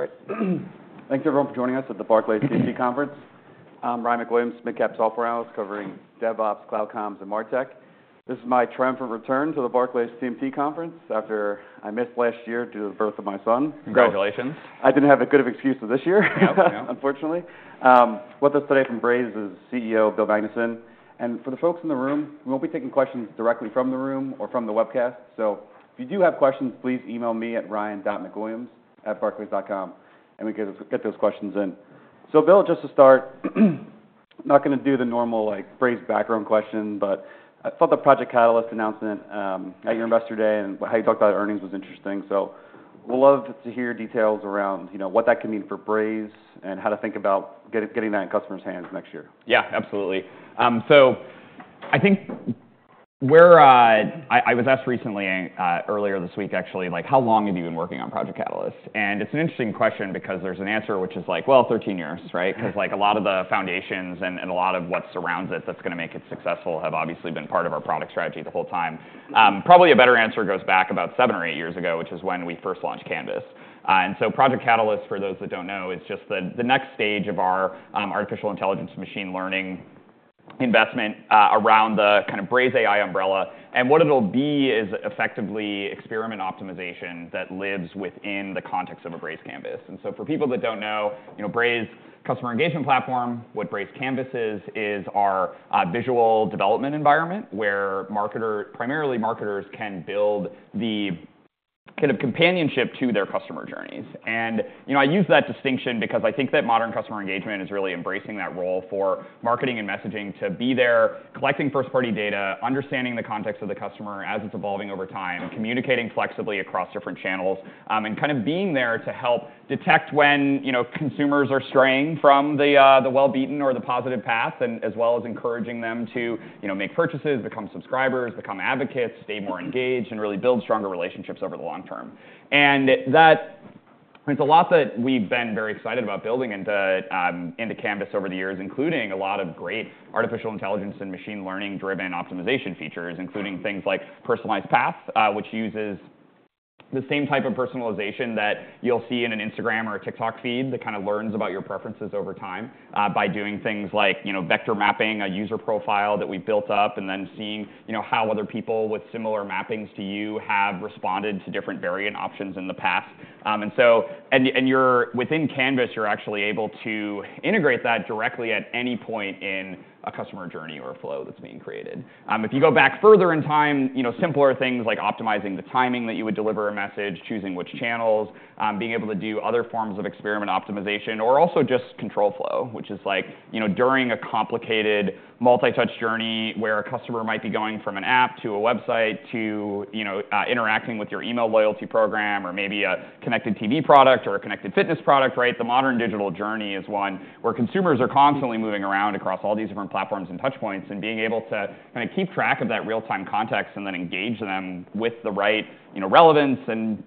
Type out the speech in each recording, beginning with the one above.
All right. Thanks, everyone, for joining us at the Barclays TMT Conference. I'm Ryan MacWilliams, mid-cap software house covering DevOps, Cloud Comms, and MarTech. This is my triumphant return to the Barclays TMT Conference after I missed last year due to the birth of my son. Congratulations. I didn't have a good excuse for this year. No, no. With us today from Braze is CEO Bill Magnuson. And for the folks in the room, we won't be taking questions directly from the room or from the webcast. So if you do have questions, please email me at Ryan.MacWilliams@Barclays.com, and we can get those questions in. So Bill, just to start, not going to do the normal Braze background question, but I thought the Project Catalyst announcement at your investor day and how you talked about earnings was interesting. So we'd love to hear details around what that can mean for Braze and how to think about getting that in customers' hands next year. Yeah, absolutely. So I think when I was asked recently, earlier this week, actually, how long have you been working on Project Catalyst? And it's an interesting question because there's an answer which is like, well, 13 years, right? Because a lot of the foundations and a lot of what surrounds it that's going to make it successful have obviously been part of our product strategy the whole time. Probably a better answer goes back about seven or eight years ago, which is when we first launched Canvas. And so Project Catalyst, for those that don't know, is just the next stage of our artificial intelligence machine learning investment around the kind of Braze AI umbrella. And what it'll be is effectively experiment optimization that lives within the context of a Braze Canvas. And so for people that don't know, Braze customer engagement platform, what Braze Canvas is, is our visual development environment where primarily marketers can build the kind of companionship to their customer journeys. And I use that distinction because I think that modern customer engagement is really embracing that role for marketing and messaging to be there, collecting first-party data, understanding the context of the customer as it's evolving over time, communicating flexibly across different channels, and kind of being there to help detect when consumers are straying from the well-beaten or the positive path, as well as encouraging them to make purchases, become subscribers, become advocates, stay more engaged, and really build stronger relationships over the long term. That is a lot that we've been very excited about building into Canvas over the years, including a lot of great artificial intelligence and machine learning-driven optimization features, including things like Intelligent Path, which uses the same type of personalization that you'll see in an Instagram or a TikTok feed that kind of learns about your preferences over time by doing things like vector mapping a user profile that we've built up and then seeing how other people with similar mappings to you have responded to different variant options in the past. Within Canvas, you're actually able to integrate that directly at any point in a customer journey or a flow that's being created. If you go back further in time, simpler things like optimizing the timing that you would deliver a message, choosing which channels, being able to do other forms of experiment optimization, or also just control flow, which is like during a complicated multi-touch journey where a customer might be going from an app to a website to interacting with your email loyalty program or maybe a connected TV product or a connected fitness product, right? The modern digital journey is one where consumers are constantly moving around across all these different platforms and touch points, and being able to kind of keep track of that real-time context and then engage them with the right relevance and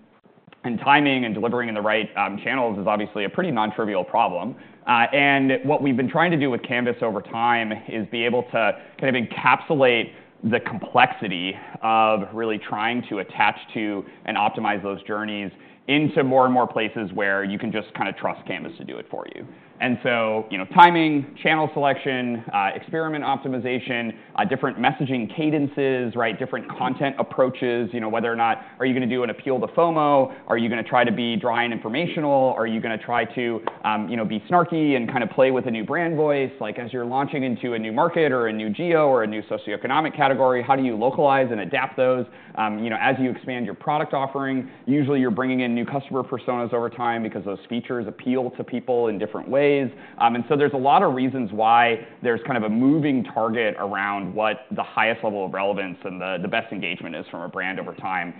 timing and delivering in the right channels is obviously a pretty non-trivial problem. And what we've been trying to do with Canvas over time is be able to kind of encapsulate the complexity of really trying to attach to and optimize those journeys into more and more places where you can just kind of trust Canvas to do it for you. And so timing, channel selection, experiment optimization, different messaging cadences, right? Different content approaches, whether or not are you going to do an appeal to FOMO? Are you going to try to be dry and informational? Are you going to try to be snarky and kind of play with a new brand voice? As you're launching into a new market or a new geo or a new socioeconomic category, how do you localize and adapt those as you expand your product offering? Usually, you're bringing in new customer personas over time because those features appeal to people in different ways. And so there's a lot of reasons why there's kind of a moving target around what the highest level of relevance and the best engagement is from a brand over time.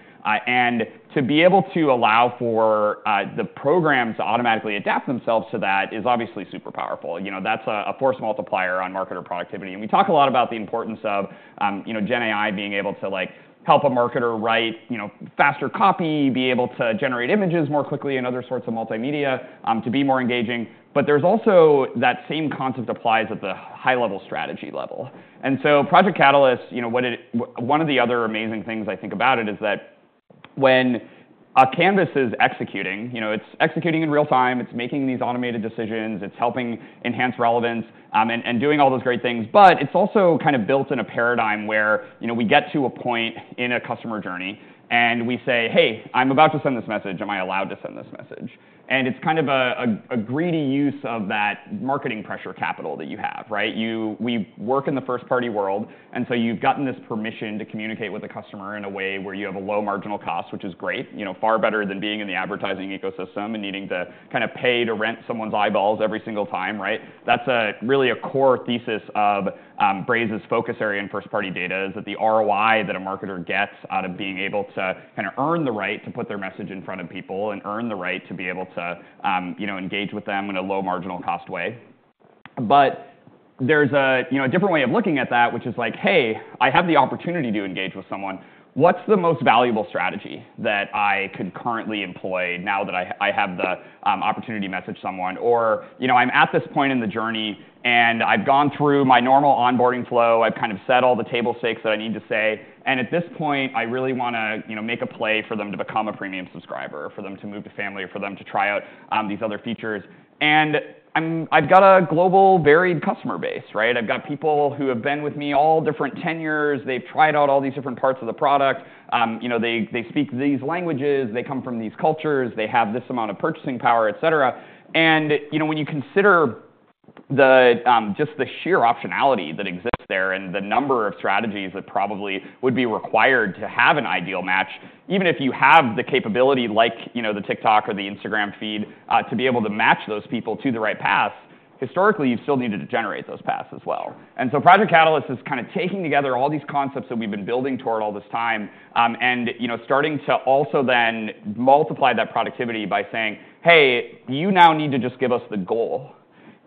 And to be able to allow for the programs to automatically adapt themselves to that is obviously super powerful. That's a force multiplier on marketer productivity. And we talk a lot about the importance of Gen AI being able to help a marketer write faster copy, be able to generate images more quickly in other sorts of multimedia, to be more engaging. But there's also that same concept applies at the high-level strategy level. And so Project Catalyst, one of the other amazing things I think about it is that when Canvas is executing, it's executing in real time, it's making these automated decisions, it's helping enhance relevance, and doing all those great things. But it's also kind of built in a paradigm where we get to a point in a customer journey and we say, hey, I'm about to send this message. Am I allowed to send this message? And it's kind of a greedy use of that marketing pressure capital that you have, right? We work in the first-party world. And so you've gotten this permission to communicate with a customer in a way where you have a low marginal cost, which is great, far better than being in the advertising ecosystem and needing to kind of pay to rent someone's eyeballs every single time, right? That's really a core thesis of Braze's focus area in first-party data is that the ROI that a marketer gets out of being able to kind of earn the right to put their message in front of people and earn the right to be able to engage with them in a low marginal cost way. But there's a different way of looking at that, which is like, hey, I have the opportunity to engage with someone. What's the most valuable strategy that I could currently employ now that I have the opportunity to message someone? Or I'm at this point in the journey and I've gone through my normal onboarding flow. I've kind of said all the table stakes that I need to say. And at this point, I really want to make a play for them to become a premium subscriber, for them to move to family, for them to try out these other features. And I've got a global varied customer base, right? I've got people who have been with me all different tenures. They've tried out all these different parts of the product. They speak these languages. They come from these cultures. They have this amount of purchasing power, et cetera. And when you consider just the sheer optionality that exists there and the number of strategies that probably would be required to have an ideal match, even if you have the capability like the TikTok or the Instagram feed to be able to match those people to the right paths, historically, you still needed to generate those paths as well. And so Project Catalyst is kind of taking together all these concepts that we've been building toward all this time and starting to also then multiply that productivity by saying, hey, you now need to just give us the goal.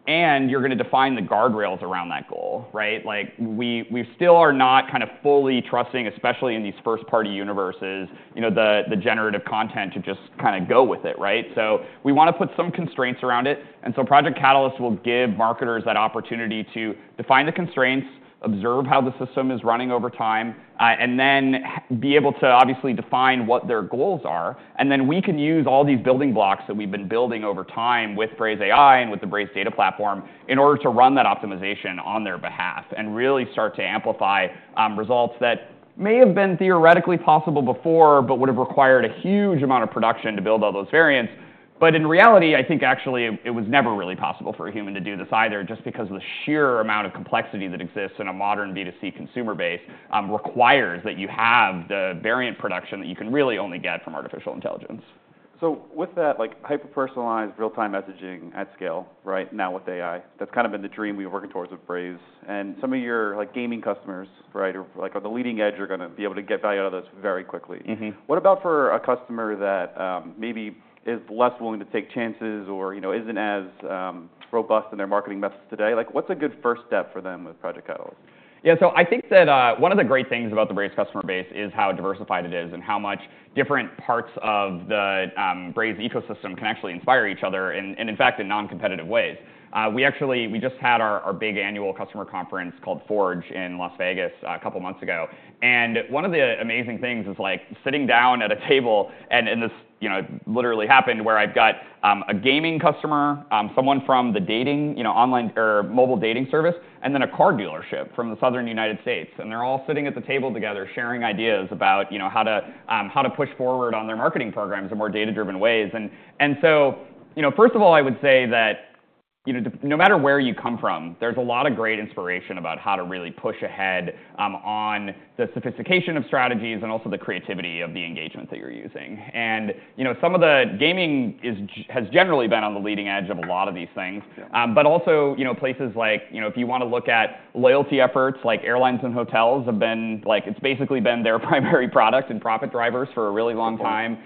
And you're going to define the guardrails around that goal, right? We still are not kind of fully trusting, especially in these first-party universes, the generative content to just kind of go with it, right? So we want to put some constraints around it. And so Project Catalyst will give marketers that opportunity to define the constraints, observe how the system is running over time, and then be able to obviously define what their goals are. We can use all these building blocks that we've been building over time with Braze AI and with the Braze Data Platform in order to run that optimization on their behalf and really start to amplify results that may have been theoretically possible before but would have required a huge amount of production to build all those variants. In reality, I think actually it was never really possible for a human to do this either, just because the sheer amount of complexity that exists in a modern B2C consumer base requires that you have the variant production that you can really only get from artificial intelligence. So with that hyper-personalized real-time messaging at scale, right, now with AI, that's kind of been the dream we were working towards with Braze. And some of your gaming customers, right, or the leading edge are going to be able to get value out of this very quickly. What about for a customer that maybe is less willing to take chances or isn't as robust in their marketing methods today? What's a good first step for them with Project Catalyst? Yeah, so I think that one of the great things about the Braze customer base is how diversified it is and how much different parts of the Braze ecosystem can actually inspire each other and, in fact, in non-competitive ways. We just had our big annual customer conference called Forge in Las Vegas a couple of months ago. And one of the amazing things is sitting down at a table, and this literally happened where I've got a gaming customer, someone from the dating online or mobile dating service, and then a car dealership from the Southern United States. And they're all sitting at the table together sharing ideas about how to push forward on their marketing programs in more data-driven ways. And so first of all, I would say that no matter where you come from, there's a lot of great inspiration about how to really push ahead on the sophistication of strategies and also the creativity of the engagement that you're using. And some of the gaming has generally been on the leading edge of a lot of these things. But also places like, if you want to look at loyalty efforts, like airlines and hotels have been like, it's basically been their primary product and profit drivers for a really long time.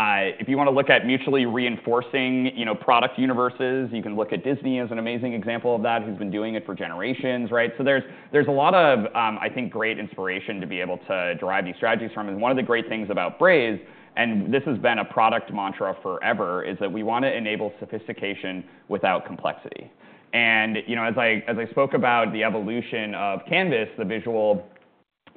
If you want to look at mutually reinforcing product universes, you can look at Disney as an amazing example of that. He's been doing it for generations, right? So there's a lot of, I think, great inspiration to be able to drive these strategies from. And one of the great things about Braze, and this has been a product mantra forever, is that we want to enable sophistication without complexity. And as I spoke about the evolution of Canvas, the visual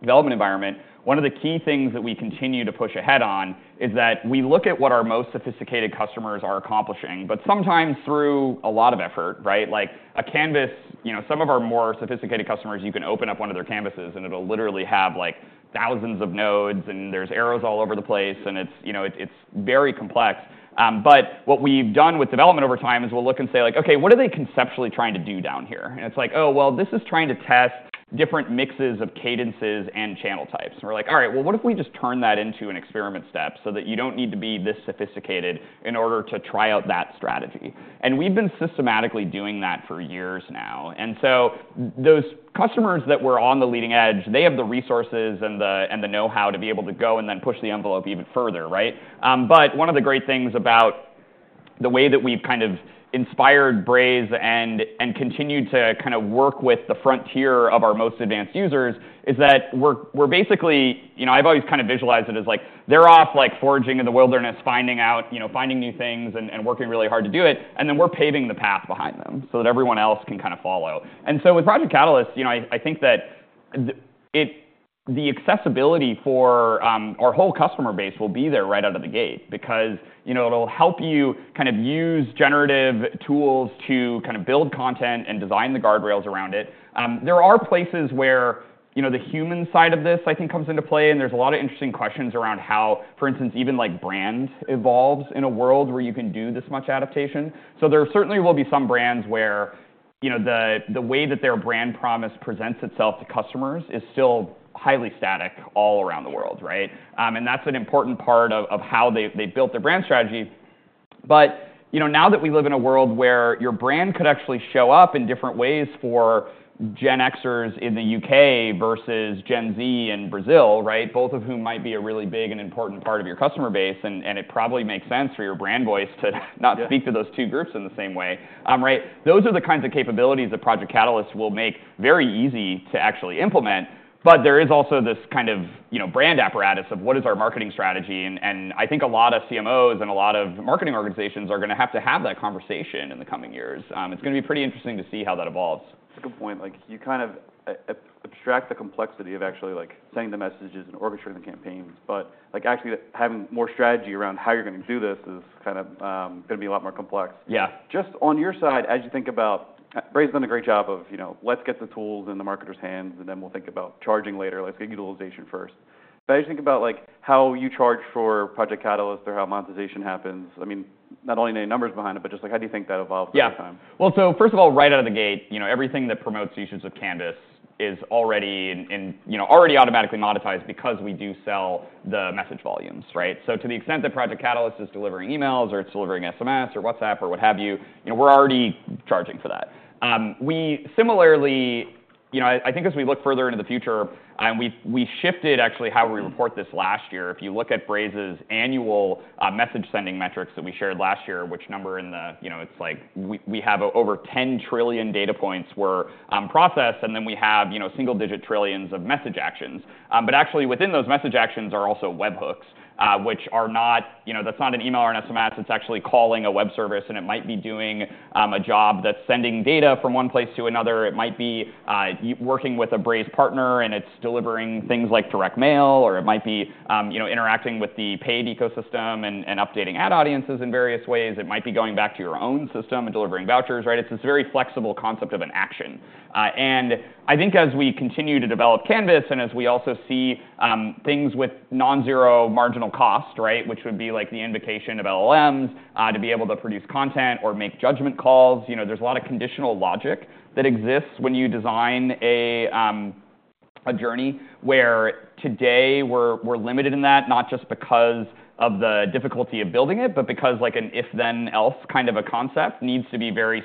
development environment, one of the key things that we continue to push ahead on is that we look at what our most sophisticated customers are accomplishing, but sometimes through a lot of effort, right? Like a Canvas, some of our more sophisticated customers, you can open up one of their canvases and it'll literally have thousands of nodes and there's arrows all over the place. And it's very complex. But what we've done with development over time is we'll look and say, like, OK, what are they conceptually trying to do down here? And it's like, oh, well, this is trying to test different mixes of cadences and channel types. We're like, all right, well, what if we just turn that into an experiment step so that you don't need to be this sophisticated in order to try out that strategy? We've been systematically doing that for years now. Those customers that were on the leading edge, they have the resources and the know-how to be able to go and then push the envelope even further, right? One of the great things about the way that we've kind of inspired Braze and continued to kind of work with the frontier of our most advanced users is that we're basically. I've always kind of visualized it as like they're off like foraging in the wilderness, finding out, finding new things and working really hard to do it. We're paving the path behind them so that everyone else can kind of follow. And so with Project Catalyst, I think that the accessibility for our whole customer base will be there right out of the gate because it'll help you kind of use generative tools to kind of build content and design the guardrails around it. There are places where the human side of this, I think, comes into play. And there's a lot of interesting questions around how, for instance, even brand evolves in a world where you can do this much adaptation. So there certainly will be some brands where the way that their brand promise presents itself to customers is still highly static all around the world, right? And that's an important part of how they've built their brand strategy. But now that we live in a world where your brand could actually show up in different ways for Gen Xers in the U.K. versus Gen Z in Brazil, right? Both of whom might be a really big and important part of your customer base. And it probably makes sense for your brand voice to not speak to those two groups in the same way, right? Those are the kinds of capabilities that Project Catalyst will make very easy to actually implement. But there is also this kind of brand apparatus of what is our marketing strategy. And I think a lot of CMOs and a lot of marketing organizations are going to have to have that conversation in the coming years. It's going to be pretty interesting to see how that evolves. That's a good point. You kind of abstract the complexity of actually sending the messages and orchestrating the campaigns. But actually having more strategy around how you're going to do this is kind of going to be a lot more complex. Yeah. Just on your side, as you think about, Braze has done a great job of let's get the tools in the marketer's hands and then we'll think about charging later. Let's get utilization first. But as you think about how you charge for Project Catalyst or how monetization happens, I mean, not only any numbers behind it, but just how do you think that evolves over time? Yeah. Well, so first of all, right out of the gate, everything that promotes usage of Canvas is already automatically monetized because we do sell the message volumes, right? So to the extent that Project Catalyst is delivering emails or it's delivering SMS or WhatsApp or what have you, we're already charging for that. Similarly, I think as we look further into the future, we shifted actually how we report this last year. If you look at Braze's annual message sending metrics that we shared last year, which number in the it's like we have over 10 trillion data points were processed. And then we have single-digit trillions of message actions. But actually within those message actions are also webhooks, which are not. That's not an email or an SMS. It's actually calling a web service. And it might be doing a job that's sending data from one place to another. It might be working with a Braze partner and it's delivering things like direct mail. Or it might be interacting with the paid ecosystem and updating ad audiences in various ways. It might be going back to your own system and delivering vouchers, right? It's this very flexible concept of an action. I think as we continue to develop Canvas and as we also see things with non-zero marginal cost, right, which would be like the invocation of LLMs to be able to produce content or make judgment calls, there's a lot of conditional logic that exists when you design a journey where today we're limited in that, not just because of the difficulty of building it, but because like an if-then-else kind of a concept needs to be very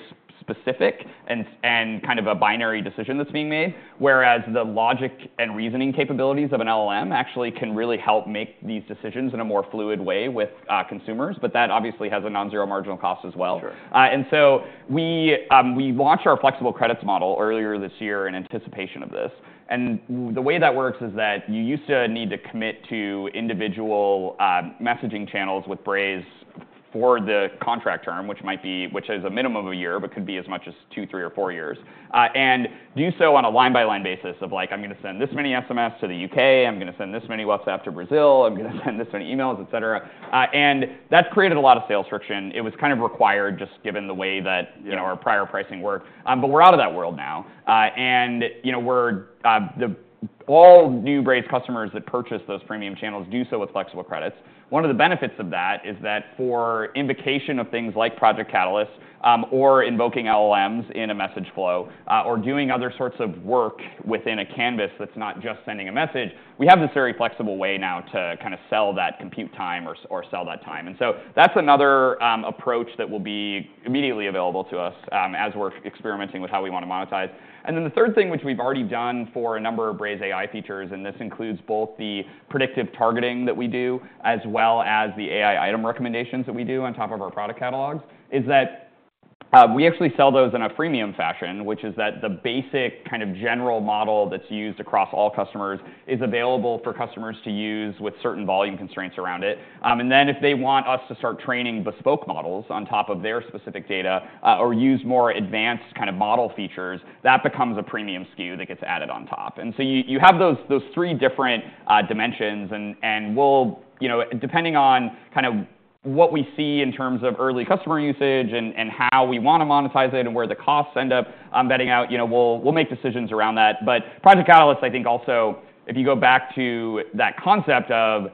specific and kind of a binary decision that's being made. Whereas the logic and reasoning capabilities of an LLM actually can really help make these decisions in a more fluid way with consumers. But that obviously has a non-zero marginal cost as well. And so we launched our Flexible Credits model earlier this year in anticipation of this. And the way that works is that you used to need to commit to individual messaging channels with Braze for the contract term, which is a minimum of a year, but could be as much as two, three, or four years, and do so on a line-by-line basis of like, I'm going to send this many SMS to the U.K. I'm going to send this many WhatsApp to Brazil. I'm going to send this many emails, et cetera. And that's created a lot of sales friction. It was kind of required just given the way that our prior pricing worked. But we're out of that world now. And all new Braze customers that purchase those premium channels do so with flexible credits. One of the benefits of that is that for invocation of things like Project Catalyst or invoking LLMs in a message flow or doing other sorts of work within a canvas that's not just sending a message, we have this very flexible way now to kind of sell that compute time or sell that time. And so that's another approach that will be immediately available to us as we're experimenting with how we want to monetize. And then the third thing, which we've already done for a number of Braze AI features, and this includes both the predictive targeting that we do as well as the AI item recommendations that we do on top of our product catalogs, is that we actually sell those in a freemium fashion, which is that the basic kind of general model that's used across all customers is available for customers to use with certain volume constraints around it. And then if they want us to start training bespoke models on top of their specific data or use more advanced kind of model features, that becomes a premium SKU that gets added on top. And so you have those three different dimensions. Depending on kind of what we see in terms of early customer usage and how we want to monetize it and where the costs end up, I'm betting out we'll make decisions around that. Project Catalyst, I think also, if you go back to that concept of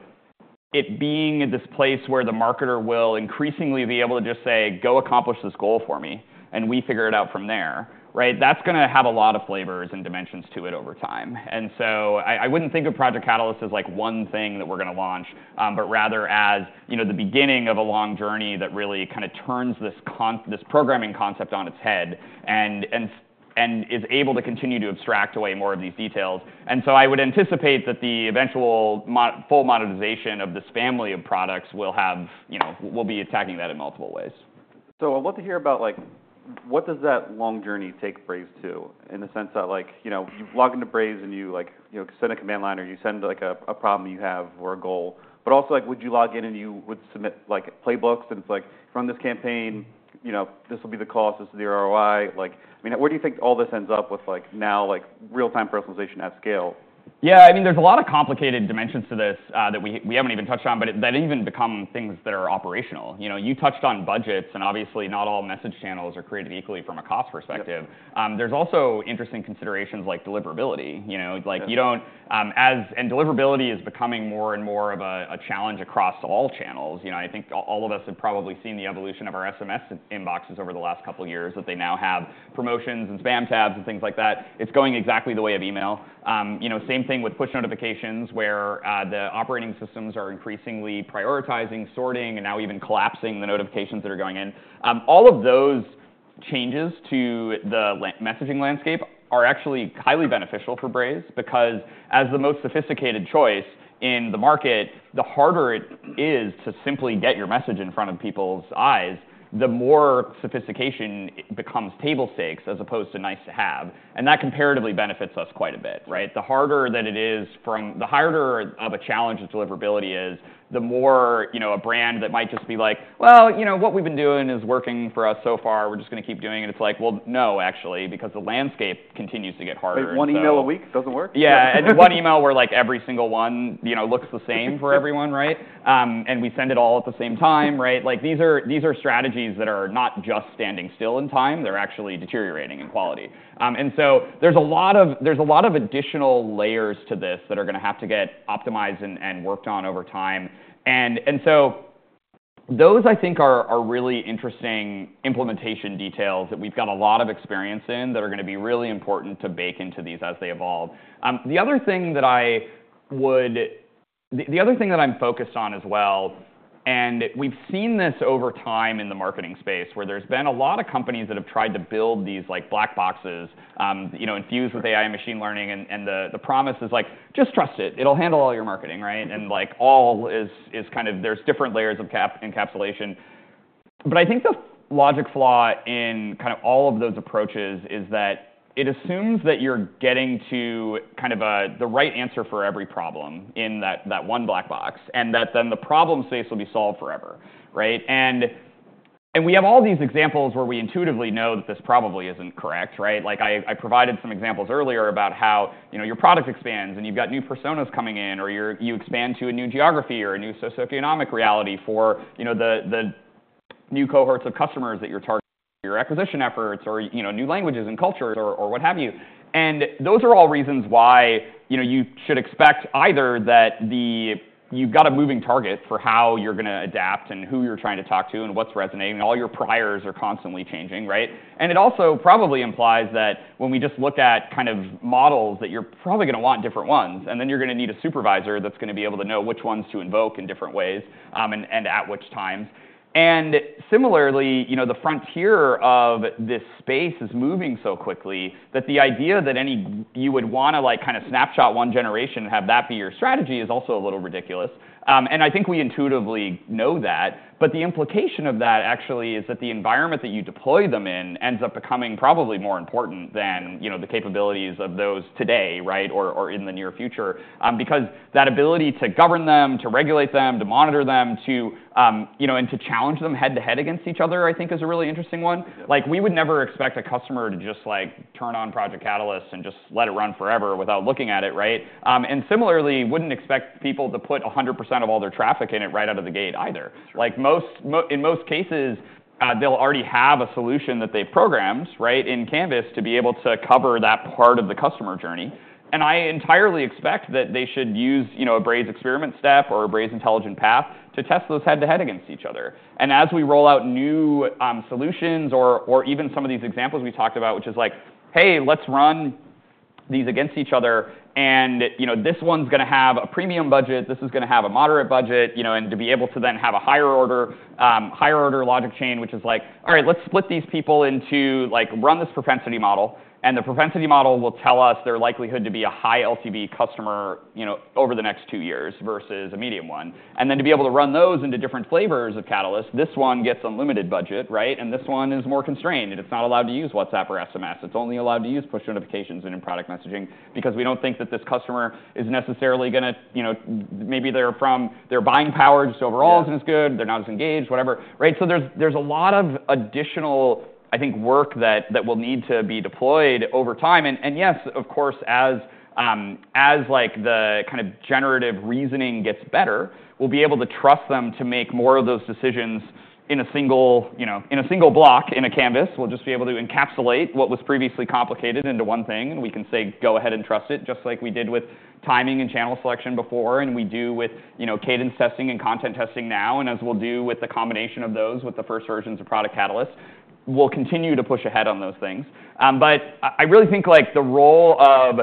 it being this place where the marketer will increasingly be able to just say, go accomplish this goal for me, and we figure it out from there, right? That's going to have a lot of flavors and dimensions to it over time. I wouldn't think of Project Catalyst as like one thing that we're going to launch, but rather as the beginning of a long journey that really kind of turns this programming concept on its head and is able to continue to abstract away more of these details. And so I would anticipate that the eventual full monetization of this family of products will be attacking that in multiple ways. So I'd love to hear about what does that long journey take Braze to in the sense that you log into Braze and you send a command line, or you send a problem you have or a goal. But also, would you log in and you would submit playbooks and it's like, from this campaign, this will be the cost, this is the ROI? I mean, where do you think all this ends up with now real-time personalization at scale? Yeah, I mean, there's a lot of complicated dimensions to this that we haven't even touched on, but that even become things that are operational. You touched on budgets, and obviously, not all message channels are created equally from a cost perspective. There's also interesting considerations like deliverability, and deliverability is becoming more and more of a challenge across all channels. I think all of us have probably seen the evolution of our SMS inboxes over the last couple of years that they now have promotions and spam tabs and things like that. It's going exactly the way of email. Same thing with push notifications where the operating systems are increasingly prioritizing, sorting, and now even collapsing the notifications that are going in. All of those changes to the messaging landscape are actually highly beneficial for Braze because as the most sophisticated choice in the market, the harder it is to simply get your message in front of people's eyes, the more sophistication becomes table stakes as opposed to nice to have, and that comparatively benefits us quite a bit, right? The harder that it is, the harder of a challenge that deliverability is, the more a brand that might just be like, well, you know what we've been doing is working for us so far. We're just going to keep doing it. It's like, well, no, actually, because the landscape continues to get harder. Like one email a week doesn't work? Yeah. And one email where like every single one looks the same for everyone, right? And we send it all at the same time, right? These are strategies that are not just standing still in time. They're actually deteriorating in quality. And so there's a lot of additional layers to this that are going to have to get optimized and worked on over time. And so those, I think, are really interesting implementation details that we've got a lot of experience in that are going to be really important to bake into these as they evolve. The other thing that I'm focused on as well, and we've seen this over time in the marketing space where there's been a lot of companies that have tried to build these black boxes infused with AI and machine learning. And the promise is like, just trust it. It'll handle all your marketing, right? And all is kind of, there's different layers of encapsulation. But I think the logic flaw in kind of all of those approaches is that it assumes that you're getting to kind of the right answer for every problem in that one black box and that then the problem space will be solved forever, right? And we have all these examples where we intuitively know that this probably isn't correct, right? Like I provided some examples earlier about how your product expands and you've got new personas coming in, or you expand to a new geography or a new socioeconomic reality for the new cohorts of customers that you're targeting for your acquisition efforts or new languages and cultures or what have you. And those are all reasons why you should expect either that you've got a moving target for how you're going to adapt and who you're trying to talk to and what's resonating. All your priors are constantly changing, right? And it also probably implies that when we just look at kind of models that you're probably going to want different ones, and then you're going to need a supervisor that's going to be able to know which ones to invoke in different ways and at which times. And similarly, the frontier of this space is moving so quickly that the idea that you would want to kind of snapshot one generation and have that be your strategy is also a little ridiculous. And I think we intuitively know that. But the implication of that actually is that the environment that you deploy them in ends up becoming probably more important than the capabilities of those today, right, or in the near future. Because that ability to govern them, to regulate them, to monitor them, and to challenge them head to head against each other, I think, is a really interesting one. We would never expect a customer to just turn on Project Catalyst and just let it run forever without looking at it, right? And similarly, wouldn't expect people to put 100% of all their traffic in it right out of the gate either. In most cases, they'll already have a solution that they've programmed, right, in Canvas to be able to cover that part of the customer journey. I entirely expect that they should use a Braze experiment step or a Braze Intelligent Path to test those head to head against each other. As we roll out new solutions or even some of these examples we talked about, which is like, hey, let's run these against each other. This one's going to have a premium budget. This is going to have a moderate budget. To be able to then have a higher order logic chain, which is like, all right, let's split these people into run this propensity model. The propensity model will tell us their likelihood to be a high LTV customer over the next two years versus a medium one. Then to be able to run those into different flavors of Catalyst, this one gets unlimited budget, right? This one is more constrained. It's not allowed to use WhatsApp or SMS. It's only allowed to use push notifications and in-product messaging because we don't think that this customer is necessarily going to maybe their buying power just overall isn't as good. They're not as engaged, whatever, right? So there's a lot of additional, I think, work that will need to be deployed over time. And yes, of course, as the kind of generative reasoning gets better, we'll be able to trust them to make more of those decisions in a single block in a canvas. We'll just be able to encapsulate what was previously complicated into one thing. And we can say, go ahead and trust it, just like we did with timing and channel selection before, and we do with cadence testing and content testing now. And as we'll do with the combination of those with the first versions of Project Catalyst, we'll continue to push ahead on those things. But I really think the role of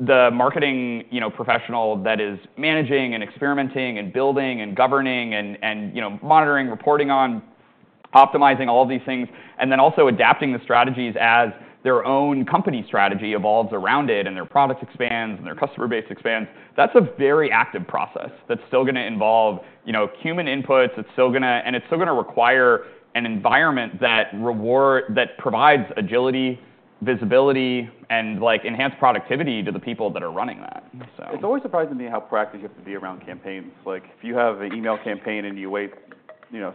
the marketing professional that is managing and experimenting and building and governing and monitoring, reporting on, optimizing all of these things, and then also adapting the strategies as their own company strategy evolves around it and their product expands and their customer base expands, that's a very active process that's still going to involve human inputs. And it's still going to require an environment that provides agility, visibility, and enhanced productivity to the people that are running that. It's always surprising to me how proactive you have to be around campaigns. If you have an email campaign and you wait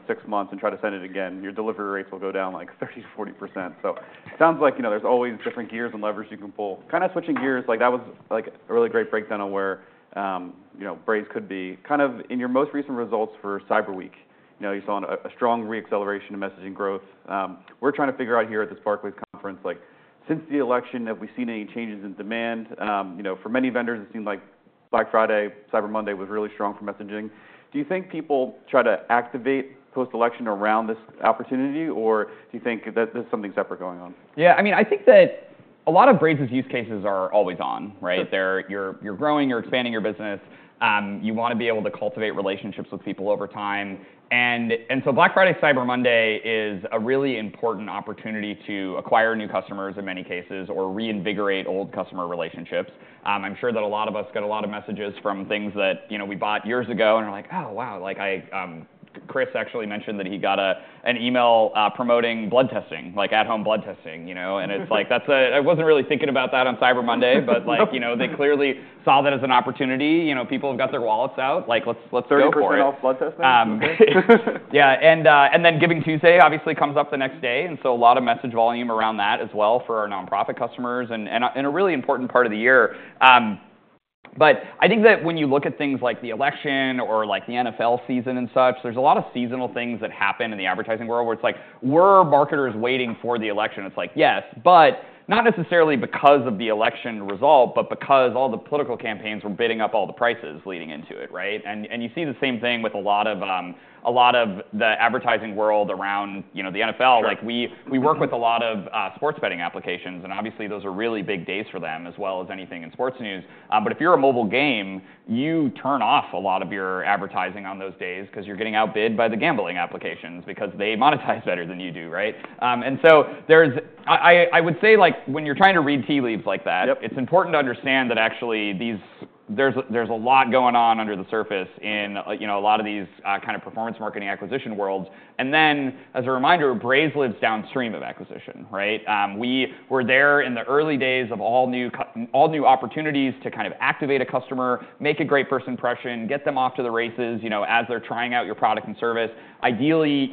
six months and try to send it again, your delivery rates will go down like 30%-40%. So it sounds like there's always different gears and levers you can pull. Kind of switching gears, that was a really great breakdown of where Braze could be. Kind of in your most recent results for Cyber Week, you saw a strong reacceleration of messaging growth. We're trying to figure out here at this Barclays conference, since the election, have we seen any changes in demand? For many vendors, it seemed like Black Friday, Cyber Monday was really strong for messaging. Do you think people try to activate post-election around this opportunity, or do you think that there's something separate going on? Yeah, I mean, I think that a lot of Braze's use cases are always on, right? You're growing. You're expanding your business. You want to be able to cultivate relationships with people over time. And so Black Friday, Cyber Monday is a really important opportunity to acquire new customers in many cases or reinvigorate old customer relationships. I'm sure that a lot of us got a lot of messages from things that we bought years ago. And we're like, oh, wow. Chris actually mentioned that he got an email promoting blood testing, like at-home blood testing. And it's like, I wasn't really thinking about that on Cyber Monday, but they clearly saw that as an opportunity. People have got their wallets out. Let's go for it. They're going off blood testing. Yeah. And then Giving Tuesday obviously comes up the next day. And so a lot of message volume around that as well for our nonprofit customers and a really important part of the year. But I think that when you look at things like the election or the NFL season and such, there's a lot of seasonal things that happen in the advertising world where it's like, were marketers waiting for the election? It's like, yes, but not necessarily because of the election result, but because all the political campaigns were bidding up all the prices leading into it, right? And you see the same thing with a lot of the advertising world around the NFL. We work with a lot of sports betting applications. And obviously, those are really big days for them as well as anything in sports news. But if you're a mobile game, you turn off a lot of your advertising on those days because you're getting outbid by the gambling applications because they monetize better than you do, right? And so I would say when you're trying to read tea leaves like that, it's important to understand that actually there's a lot going on under the surface in a lot of these kind of performance marketing acquisition worlds. And then as a reminder, Braze lives downstream of acquisition, right? We were there in the early days of all new opportunities to kind of activate a customer, make a great first impression, get them off to the races as they're trying out your product and service. Ideally,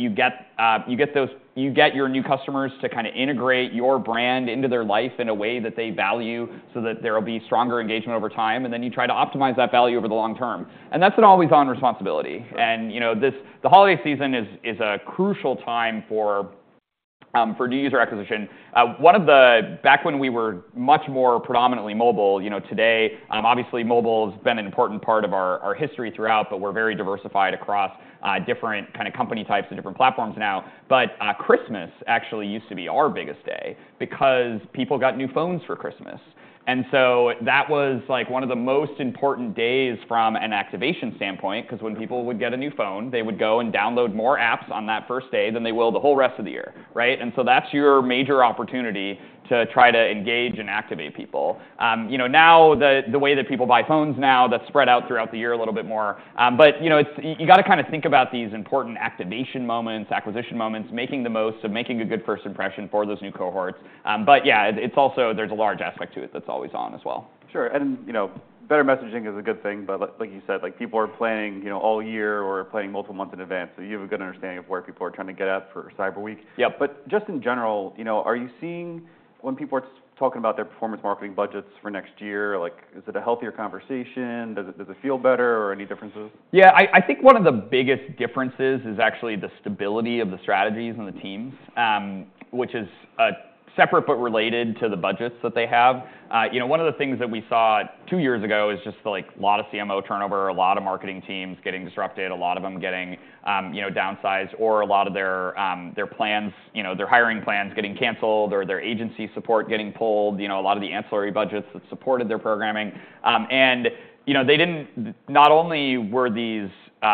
you get your new customers to kind of integrate your brand into their life in a way that they value so that there will be stronger engagement over time. And then you try to optimize that value over the long term. And that's an always-on responsibility. And the holiday season is a crucial time for new user acquisition. Back when we were much more predominantly mobile, today, obviously, mobile has been an important part of our history throughout, but we're very diversified across different kind of company types and different platforms now. But Christmas actually used to be our biggest day because people got new phones for Christmas. And so that was one of the most important days from an activation standpoint because when people would get a new phone, they would go and download more apps on that first day than they will the whole rest of the year, right? And so that's your major opportunity to try to engage and activate people. Now, the way that people buy phones now, that's spread out throughout the year a little bit more. But you've got to kind of think about these important activation moments, acquisition moments, making the most of making a good first impression for those new cohorts. But yeah, there's a large aspect to it that's always on as well. Sure. And better messaging is a good thing. But like you said, people are planning all year or planning multiple months in advance. So you have a good understanding of where people are trying to get at for Cyber Week. Yep. But just in general, are you seeing when people are talking about their performance marketing budgets for next year, is it a healthier conversation? Does it feel better or any differences? Yeah, I think one of the biggest differences is actually the stability of the strategies and the teams, which is separate but related to the budgets that they have. One of the things that we saw two years ago is just a lot of CMO turnover, a lot of marketing teams getting disrupted, a lot of them getting downsized, or a lot of their hiring plans getting canceled or their agency support getting pulled, a lot of the ancillary budgets that supported their programming. And not only were these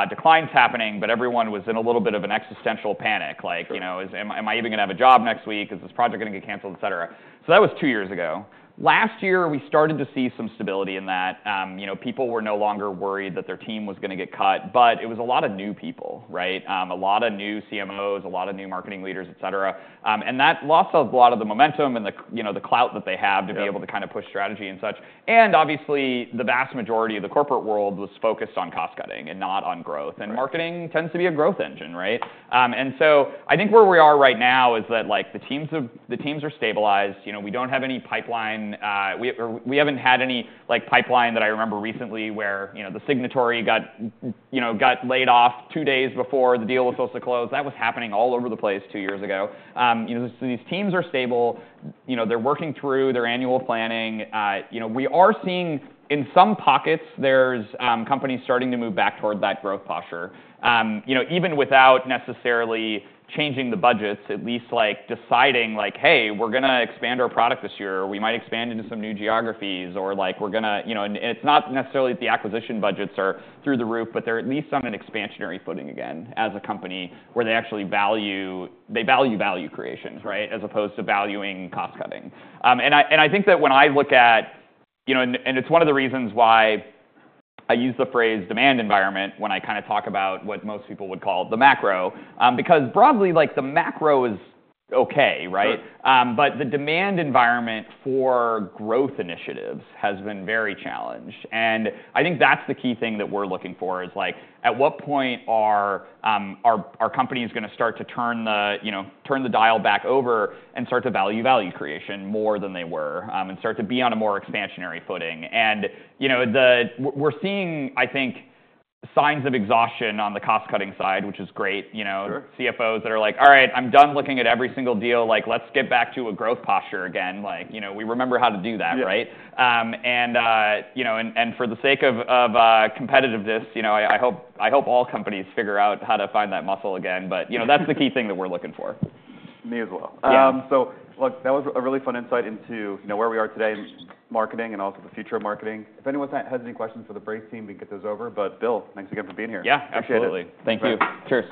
declines happening, but everyone was in a little bit of an existential panic. Like, am I even going to have a job next week? Is this project going to get canceled, et cetera? So that was two years ago. Last year, we started to see some stability in that. People were no longer worried that their team was going to get cut, but it was a lot of new people, right? A lot of new CMOs, a lot of new marketing leaders, et cetera, and that lost a lot of the momentum and the clout that they have to be able to kind of push strategy and such. And obviously, the vast majority of the corporate world was focused on cost cutting and not on growth. And marketing tends to be a growth engine, right, and so I think where we are right now is that the teams are stabilized. We don't have any pipeline. We haven't had any pipeline that I remember recently where the signatory got laid off two days before the deal was supposed to close. That was happening all over the place two years ago, so these teams are stable. They're working through their annual planning. We are seeing in some pockets, there's companies starting to move back toward that growth posture. Even without necessarily changing the budgets, at least deciding like, hey, we're going to expand our product this year. We might expand into some new geographies or we're going to, and it's not necessarily that the acquisition budgets are through the roof, but they're at least on an expansionary footing again as a company where they actually value value creation, right, as opposed to valuing cost cutting. And I think that when I look at, and it's one of the reasons why I use the phrase demand environment when I kind of talk about what most people would call the macro, because broadly, the macro is OK, right? But the demand environment for growth initiatives has been very challenged. And I think that's the key thing that we're looking for is at what point are our companies going to start to turn the dial back over and start to value value creation more than they were and start to be on a more expansionary footing. And we're seeing, I think, signs of exhaustion on the cost cutting side, which is great. CFOs that are like, all right, I'm done looking at every single deal. Let's get back to a growth posture again. We remember how to do that, right? And for the sake of competitiveness, I hope all companies figure out how to find that muscle again. But that's the key thing that we're looking for. Me as well. So look, that was a really fun insight into where we are today in marketing and also the future of marketing. If anyone has any questions for the Braze team, we can get those over. But Bill, thanks again for being here. Yeah, absolutely. Thank you. Cheers.